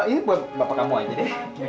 oh iya buat bapak kamu aja deh